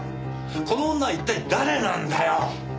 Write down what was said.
この女は一体誰なんだよ？